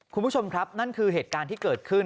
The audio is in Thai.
คุณผู้ชมครับนั่นคือเหตุการณ์ที่เกิดขึ้น